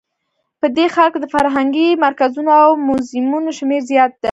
په دې ښار کې د فرهنګي مرکزونو او موزیمونو شمیر زیات ده